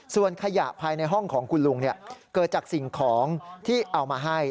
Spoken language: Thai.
ส่วนขยะภายในห้องของคุณลุงเกิดจากสิ่งของที่เอามาให้